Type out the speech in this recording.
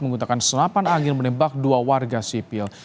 menggunakan senapan angin menembak dua warga sipil